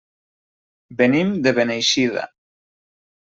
Venim de Beneixida.